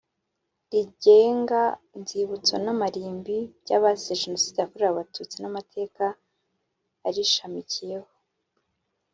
rigenga inzibutso n amarimbi by abazize Jenoside yakorewe Abatutsi n Amateka arishamikiyeho